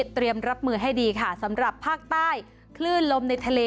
เตรียมรับมือให้ดีค่ะสำหรับภาคใต้คลื่นลมในทะเล